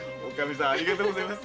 ありがとうございます。